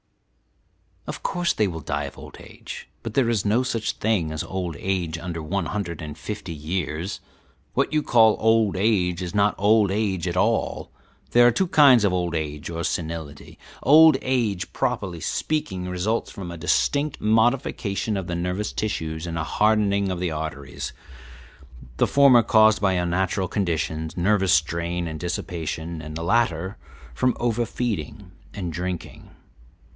"Of course they will die of old age; but there is no such thing as old age under one hundred and fifty years; what you call old age is not old age at all. There are two kinds of old age or senility. Old age, properly speaking, results from a distinct modification of the nervous tissues and a hardening of the arteries the former caused by unnatural conditions, nervous strain and dissipation, and the latter from over feeding and drinking.